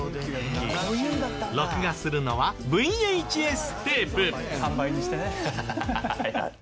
録画するのはＶＨＳテープ。